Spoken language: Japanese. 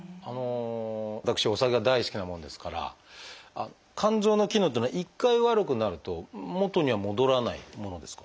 私お酒が大好きなもんですから肝臓の機能っていうのは一回悪くなると元には戻らないものですか？